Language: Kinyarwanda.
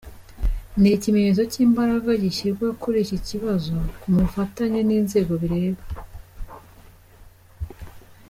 Ni ikimenyetso cy’imbaraga zishyirwa kuri iki kibazo ku bufatanye n’inzego bireba.